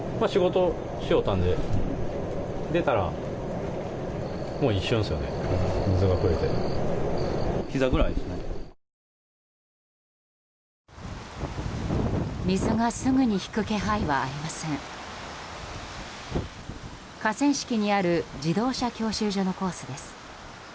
河川敷にある自動車教習所のコースです。